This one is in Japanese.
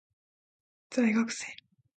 在学生